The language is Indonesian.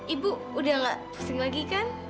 ibu udah gak pusing lagi kan